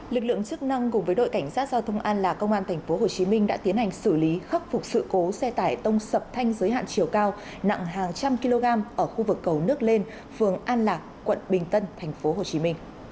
lực lượng chức năng cùng với đội cảnh sát giao thông an lạc công an tp hcm đã tiến hành xử lý khắc phục sự cố xe tải tông sập thanh giới hạn chiều cao nặng hàng trăm kg ở khu vực cầu nước lên phường an lạc quận bình tân tp hcm